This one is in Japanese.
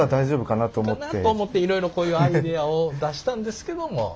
かなと思っていろいろこういうアイデアを出したんですけども。